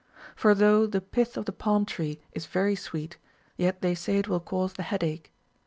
For though the pith of the palm tree is very sweet, yet they say it will cause the headache.